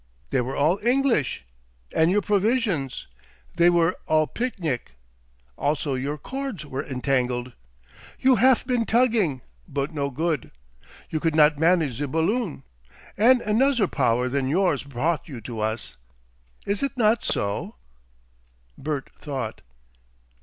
They were all English. And your provisions. They were all picnic. Also your cords were entangled. You haf' been tugging but no good. You could not manage ze balloon, and anuzzer power than yours prought you to us. Is it not so?" Bert thought.